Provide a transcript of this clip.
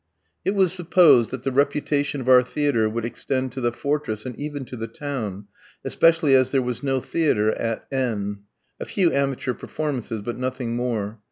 It was supposed that the reputation of our theatre would extend to the fortress, and even to the town, especially as there was no theatre at N : a few amateur performances, but nothing more.